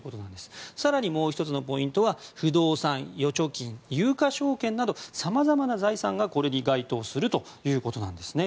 更にもう１つのポイントは不動産、預貯金有価証券など、様々な財産がこれに該当するということなんですね。